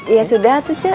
ya sudah tuh ce